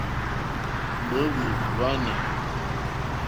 Nǒhwì hwánà.